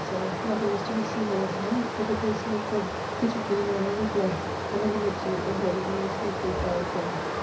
ARCADIA,— Book TIL 345 selves, nothing was to be seen thereupon but a basin of gold pitifully enamelled with blood, and in the midst of it the head of the most beautiful Philoclea.